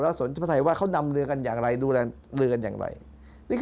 แล้วสนประทัยว่าเขานำเรือกันอย่างไรดูเรือกันอย่างไร